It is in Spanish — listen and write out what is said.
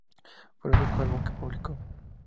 Fue el único álbum que publicó.